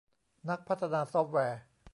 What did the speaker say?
นักพัฒนาซอฟแวร์